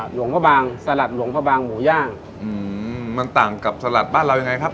หลวงพระบางสลัดหลวงพระบางหมูย่างอืมมันต่างกับสลัดบ้านเรายังไงครับ